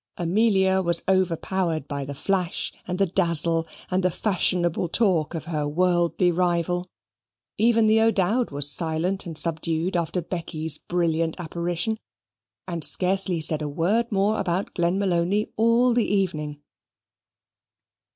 Amelia was overpowered by the flash and the dazzle and the fashionable talk of her worldly rival. Even the O'Dowd was silent and subdued after Becky's brilliant apparition, and scarcely said a word more about Glenmalony all the evening.